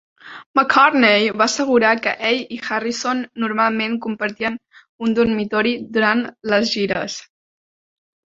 McCartney va assegurar que ell i Harrison normalment compartien un dormitori durant les gires.